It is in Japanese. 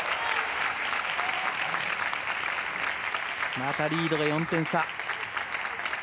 またリード、４点差。